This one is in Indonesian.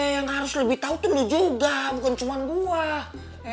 yang harus lebih tau tuh lu juga bukan cuma gue